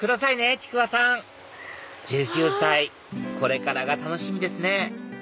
ちくわさん１９歳これからが楽しみですね